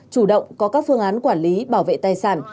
chủ động có các phương án quản lý bảo vệ tài sản